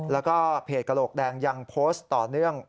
แล้วก็เพจกระโหลกแดงยังโพสต์ต่อเนื่อง